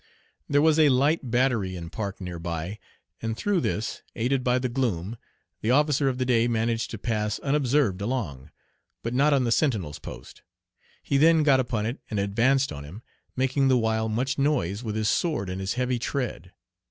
There was a light battery in park near by, and through this, aided by the gloom, the officer of the day managed to pass unobserved along, but not on the sentinel's post. He then got upon it and advanced on him, making the while much noise with his sword and his heavy tread.